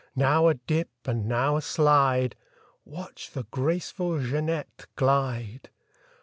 Now a dip and now a slide— Watch the graceful Jeanette glide!